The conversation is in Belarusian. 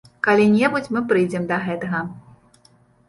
Калі-небудзь мы прыйдзем да гэтага.